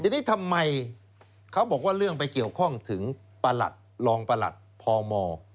ทีนี้ทำไมเขาบอกว่าเรื่องไปเกี่ยวข้องถึงประหลัดรองประหลัดพม